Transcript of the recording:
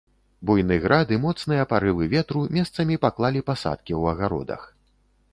Буйны град і моцныя парывы ветру месцамі паклалі пасадкі ў агародах.